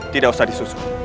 tidak usah disusul